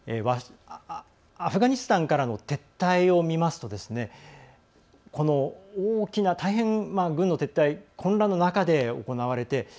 アフガニスタンからの撤退を見ますと軍の撤退混乱の中で、行われて。